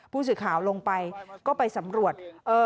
ผู้สื่อข่าวลงไปก็ไปสำรวจ